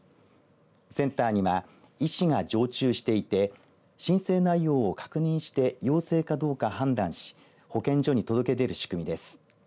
センターには医師が常駐していて申請内容を確認して陽性かどうか判断し保健所に届け出る仕組みです。